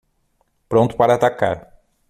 Pronto para atacar